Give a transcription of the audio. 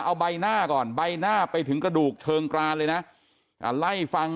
เอาใบหน้าก่อนใบหน้าไปถึงกระดูกเชิงกรานเลยนะไล่ฟัง